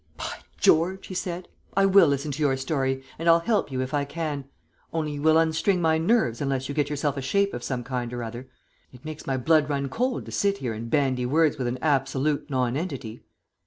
"By George!" he said, "I will listen to your story, and I'll help you if I can, only you will unstring my nerves unless you get yourself a shape of some kind or other. It makes my blood run cold to sit here and bandy words with an absolute nonentity."